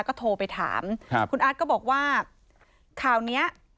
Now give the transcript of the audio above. ก็โทรไปถามครับคุณอาร์ตก็บอกว่าข่าวเนี้ย